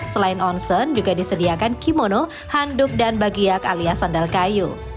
selain onsen juga disediakan kimono handuk dan bagiak alias sandal kayu